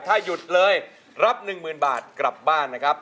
ถ้าหยุดเลยรับ๑๐๐๐บาทกลับบ้านนะครับ